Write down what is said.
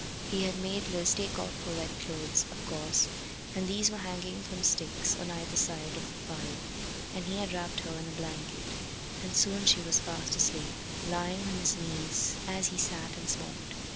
He had made Liz take off her wet clothes, of course, and these were hanging from sticks on either side of the fire, and he had wrapped her in a blanket, and soon she was fast asleep, lying on his knees as he sat and smoked.